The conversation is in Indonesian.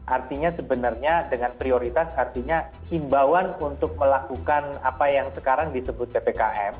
artinya sebenarnya dengan prioritas artinya himbauan untuk melakukan apa yang sekarang disebut ppkm